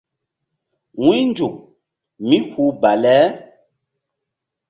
Wu̧ynzuk mí hu bale.